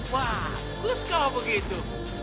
wah bagus kau begitu